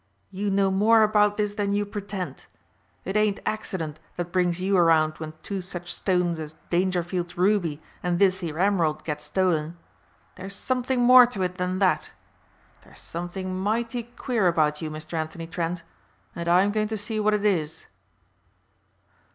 "You know more about this than you pretend. It ain't accident that brings you around when two such stones as Dangerfield's ruby and this here emerald get stolen. There's something more to it than that. There's something mighty queer about you, Mister Anthony Trent, and I'm going to see what it is."